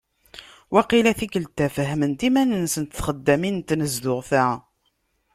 Waqila tikelt-a fahment iman-nsent txeddamin n tnezduɣt-a.